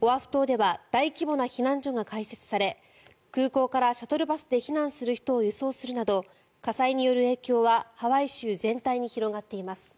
オアフ島では大規模な避難所が開設され空港からシャトルバスで避難する人を輸送するなど火災による影響はハワイ州全体に広がっています。